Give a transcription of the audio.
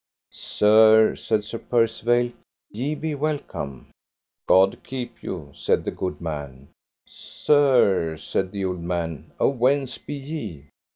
Sir, said Sir Percivale, ye be welcome. God keep you, said the good man. Sir, said the old man, of whence be ye?